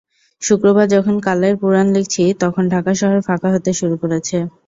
শুক্রবার যখন কালের পুরাণ লিখছি, তখন ঢাকা শহর ফাঁকা হতে শুরু করেছে।